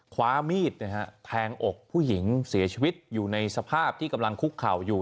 คว้ามีดแทงอกผู้หญิงเสียชีวิตอยู่ในสภาพที่กำลังคุกเข่าอยู่